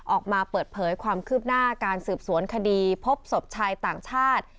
ออกมาเปิดเผยความคืบหน้าการสืบสวนคดีพบศพชายต่างชาติ